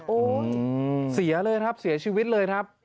โอ้โหเสียเลยครับเสียชีวิตเลยครับ